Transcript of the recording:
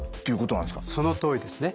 そのとおりですね。